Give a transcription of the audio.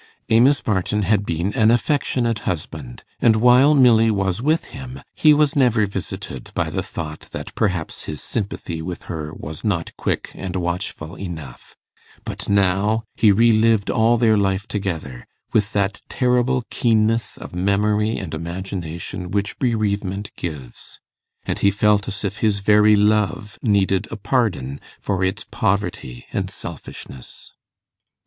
Amos Barton had been an affectionate husband, and while Milly was with him, he was never visited by the thought that perhaps his sympathy with her was not quick and watchful enough; but now he re lived all their life together, with that terrible keenness of memory and imagination which bereavement gives, and he felt as if his very love needed a pardon for its poverty and selfishness.